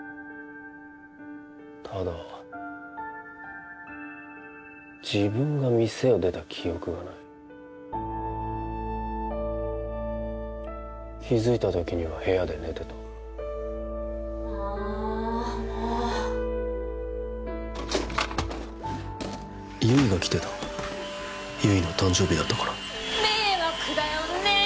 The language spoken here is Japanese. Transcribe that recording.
ただ自分が店を出た記憶がない気付いた時には部屋で寝てたああもう悠依が来てた悠依の誕生日だったから迷惑だよね